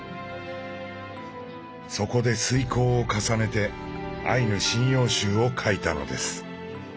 そこで推敲を重ねて「アイヌ神謡集」を書いたのです。